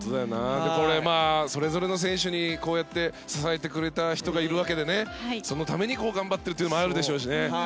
これ、それぞれの選手にこうやって支えてくれた人がいるわけでそのために頑張っているというのもあるでしょうしね。